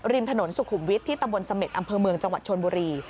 ริมถนนสุขุมวิทย์ที่ตำบลเสม็ดอำเภอเมืองจังหวัดชนบุรี